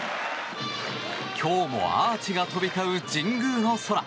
今日もアーチが飛び交う神宮の空。